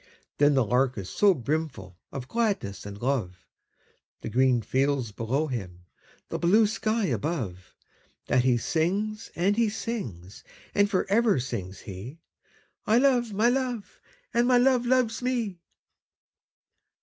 But the Lark is so brimful of gladness and love, The green fields below him, the blue sky above, That he sings, and he sings; and for ever sings he 'I love my Love, and my Love loves me!'